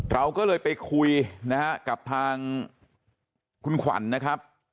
เราก็เลยไปคุยนะฮะกับทางคุณขวัญนะครับ